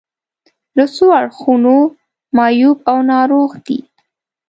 له څو اړخونو معیوب او ناروغ دي.